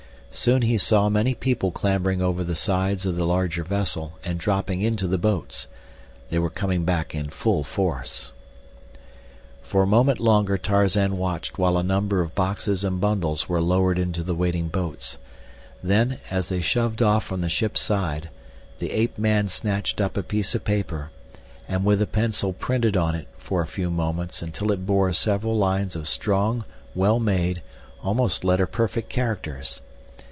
Soon he saw many people clambering over the sides of the larger vessel and dropping into the boats. They were coming back in full force. For a moment longer Tarzan watched while a number of boxes and bundles were lowered into the waiting boats, then, as they shoved off from the ship's side, the ape man snatched up a piece of paper, and with a pencil printed on it for a few moments until it bore several lines of strong, well made, almost letter perfect characters.